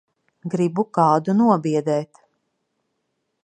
Gribu kādu nobiedēt.